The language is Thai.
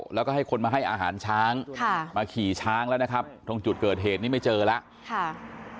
แล้วก็ให้คนมาให้อาหารช้างมาขี่ช้างแล้วนะครับตรงจุดเกิดเหตุนี้ไม่เจอแล้วค่ะ